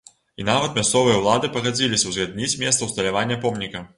І нават мясцовыя ўлады пагадзіліся узгадніць месца ўсталявання помніка.